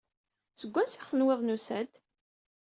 Seg wansi i aɣ-tenwiḍ nusa-d?